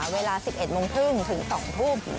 เวลา๑๑โมงครึ่งถึง๒ทุ่ม